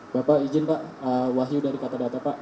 bapak izin pak wahyu dari katadata